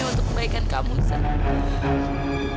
ini untuk kebaikan kamu zat